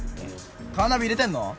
カーナビ入れてんの？